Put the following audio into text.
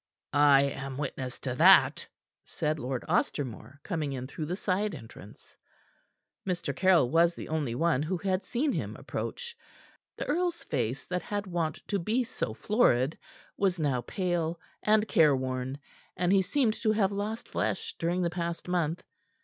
"I am witness to that," said Lord Ostermore, coming in through the side entrance. Mr. Caryll was the only one who had seen him approach. The earl's face that had wont to be so florid, was now pale and careworn, and he seemed to have lost flesh during the past month.